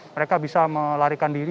mereka bisa melarikan diri